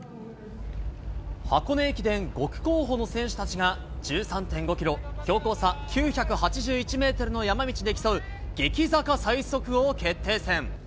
箱根駅伝５区候補の選手たちが１３．５キロ、標高差９８１メートルの山道で競う、激坂最速王決定戦。